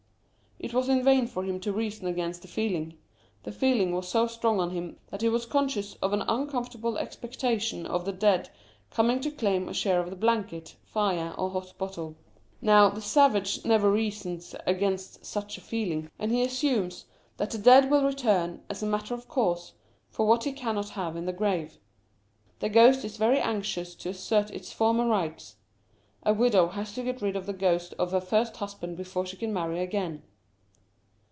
It was in vain for him to reason against the feeling; the feeling was so strong on him that he was conscious of an uncomfortable expectation of the dead coming to claim a share of the blanket, fire, or hot bottle. Now the savage never reasons against such a feeling, and he assumes that the dead will return, as a matter of course, for what he cannot have in the grave. The ghost is very anxious to assert its former rights. A widow has to get rid of the ghost of her 6 The Meaning of Mourning first husband before she can marry again.